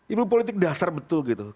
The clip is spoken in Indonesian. ilmu politik dasar betul gitu